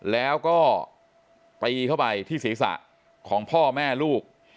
แล้วก็ตีเข้าไปที่ศีรษะของพ่อแม่ลูก